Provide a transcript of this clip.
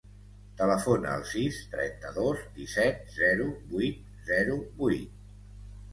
Telefona al sis, trenta-dos, disset, zero, vuit, zero, vuit.